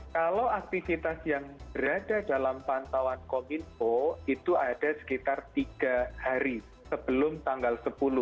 kalau aktivitas yang berada dalam pantauan kominfo itu ada sekitar tiga hari sebelum tanggal sepuluh